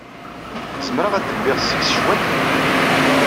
Zemreɣ ad bbiɣ seg-s cwiṭ?